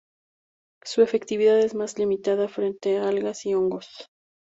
Su efectividad es más limitada frente a algas y hongos.